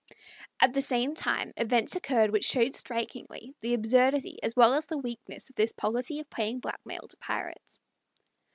At the same time events occurred which showed strikingly the absurdity as well as the weakness of this policy of paying blackmail to pirates.